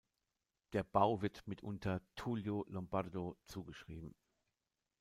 Der Bau wird mitunter Tullio Lombardo zugeschrieben.